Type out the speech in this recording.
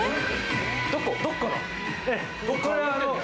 どこから？